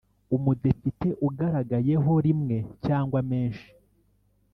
Umudepite ugaragayeho rimwe cyangwa menshi